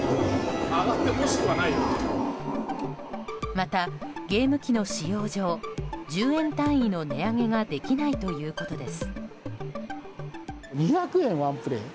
またゲーム機の仕様上１０円単位の値上げができないということです。